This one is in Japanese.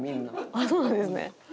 あっそうなんですね。